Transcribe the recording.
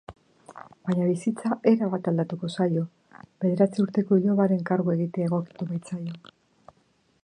Baina bizitza erabat aldatuko zaio bederatzi urteko ilobaren kargu egitea egokituko baitzaio.